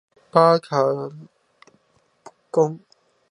巴拉卡公路